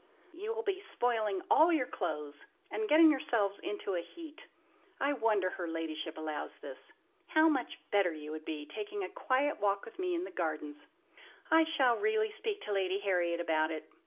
"You will be spoiling all your clothes, and getting yourselves into a heat! I wonder her ladyship allows this! How much better you would be taking a quiet walk with me in the gardens! I shall really speak to Lady Harriet about it!